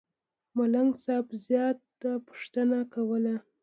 منګل صاحب زیاته پوښتنه کوله.